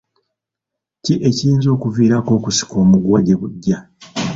Ki ekiyinza okuviirako okusika omuguwa gye bujja?